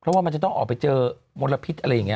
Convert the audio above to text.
เพราะว่ามันจะต้องออกไปเจอมลพิษอะไรอย่างนี้